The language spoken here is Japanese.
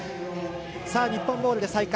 日本ボールで再開。